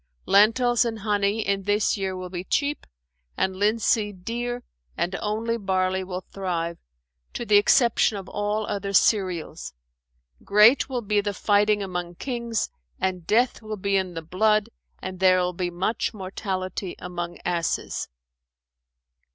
Lentils and honey in this year will be cheap and linseed dear and only barley will thrive, to the exception of all other cereals: great will be the fighting among kings and death will be in the blood and there will be much mortality among asses."